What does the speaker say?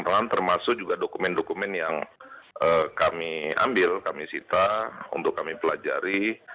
terang terang termasuk dokumen dokumen yang kami ambil kami cita untuk kami pelajari